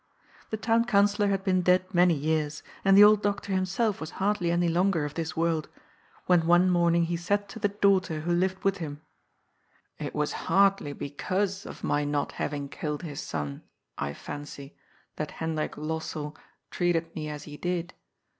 The Town Councillor had been dead many years, and the old doctor himself was hardly any longer of this world, when one morning he said to the daughter who lived with him :" It was hardly because of my not having killed his son, I fancy, that Hendrik Lossell treated me as he did.